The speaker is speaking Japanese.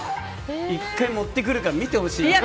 １回持ってくるから見てほしいよ。